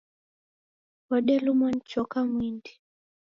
Wodelumwa ni choka mwindi.